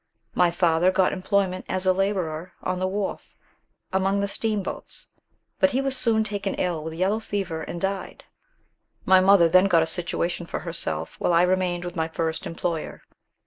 My father got employment as a labourer on the wharf, among the steamboats; but he was soon taken ill with the yellow fever, and died. My mother then got a situation for herself, while I remained with my first employer.